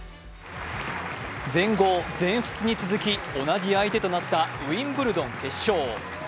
全豪・全仏に続き、同じ相手となったウィンブルドン決勝。